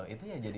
itu ya jadi